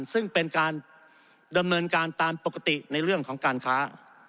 ซึ่งเป็นการดำเนินการตามปกติในเรื่องของการค้า